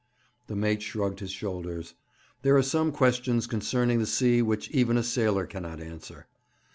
The mate shrugged his shoulders. There are some questions concerning the sea which even a sailor cannot answer.